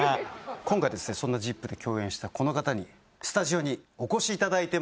今回そんな『ＺＩＰ！』で共演したこの方にスタジオにお越しいただいてます。